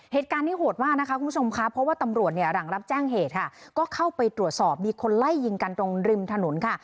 เหตุการณ์นี้โหดมากนะคะคุณผู้ชมค่ะเพราะว่าตำรวจเนี่ยหลังรับแจ้งเหตุค่ะก็เข้าไปตรวจสอบมีคนไล่ยิงกันตรงริมถนนค่ะ